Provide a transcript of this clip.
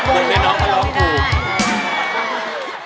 บนแล้วน้องก็ร้องถูก